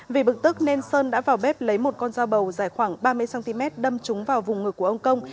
vì bực tức nên sơn đã vào bếp lấy một con dao bầu dài khoảng ba mươi cm đâm trúng vào vùng ngực của ông công